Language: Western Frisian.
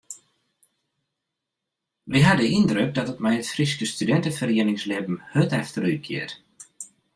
Wy ha de yndruk dat it mei it Fryske studinteferieningslibben hurd efterútgiet.